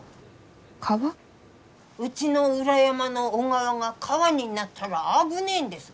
うちの裏山の小川が川になったら危ねえんです。